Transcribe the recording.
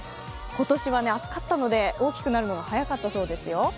今年は暑かったので、大きくなるのが早かったそうですよ。